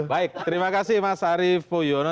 baik terima kasih mas arief puyono